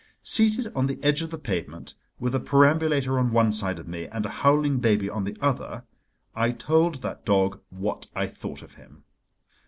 Seated on the edge of the pavement, with a perambulator on one side of me and a howling baby on the other, I told that dog what I thought of him.